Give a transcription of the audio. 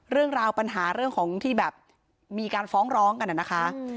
เรื่องราวปัญหาเรื่องของที่แบบมีการฟ้องร้องกันนะคะ